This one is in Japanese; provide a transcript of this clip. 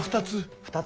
２つ？